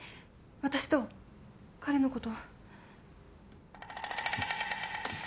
私と彼のこと。